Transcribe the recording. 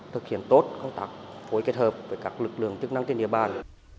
thực hiện tốt công tác phối kết hợp với các lực lượng chức năng trên địa bàn